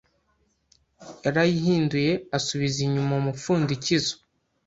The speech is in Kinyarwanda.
yarayihinduye asubiza inyuma umupfundikizo.